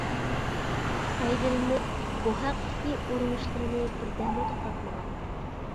پايدىلىنىپ، بۇ ھەقتىكى ئۇرۇنۇشلىرىنى بىر دەممۇ توختاتمىغان.